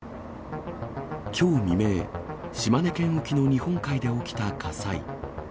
きょう未明、島根県沖の日本海で起きた火災。